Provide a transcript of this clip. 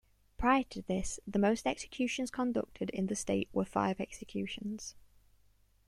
Prior to this, the most executions conducted in the state were five executions.